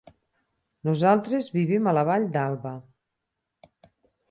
Nosaltres vivim a la Vall d'Alba.